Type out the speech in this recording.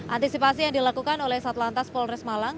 antisipasi yang dilakukan oleh satlantas polres malang